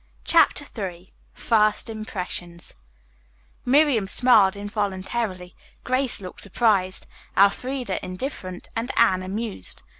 CHAPTER III FIRST IMPRESSIONS Miriam smiled involuntarily, Grace looked surprised, Elfreda indifferent, and Anne amused.